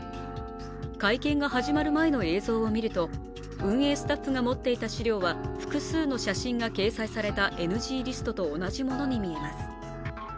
会見が始まる前の映像を見ると、運営スタッフが持っていた資料は複数の写真が掲載されたＮＧリストと同じものに見えます。